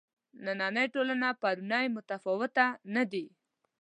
نننۍ ټولنه پرونۍ متفاوته نه دي.